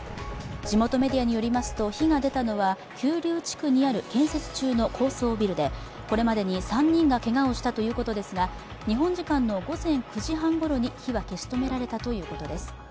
地元メディアによりますと火が出たのは九龍地区にある高層ビルでこれまでに３人がけがをしたということですが、日本時間の午前９時半ごろに火は消し止められたということです。